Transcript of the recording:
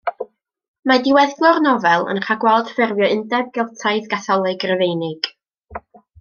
Mae diweddglo'r nofel yn rhagweld ffurfio undeb Geltaidd, Gatholig Rufeinig.